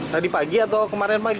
tadi pagi atau kemarin pagi